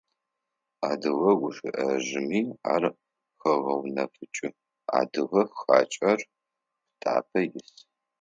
Адыгэ гущыӏэжъыми ар хегъэунэфыкӏы: «Адыгэ хьакӏэр пытапӏэ ис».